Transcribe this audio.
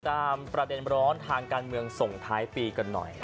ประเด็นร้อนทางการเมืองส่งท้ายปีกันหน่อย